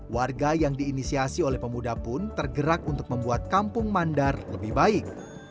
warga yang diinisiasi oleh pemuda pun tergerak untuk membuat kampung mandar lebih baik